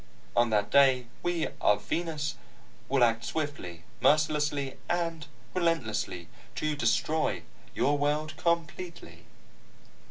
On that day, we of Venus will act swiftly, mercilessly, and relentlessly to destroy your world completely."